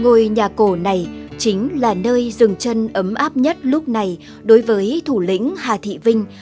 ngôi nhà cổ này chính là nơi dừng chân ấm áp nhất lúc này đối với thủ lĩnh hà thị vinh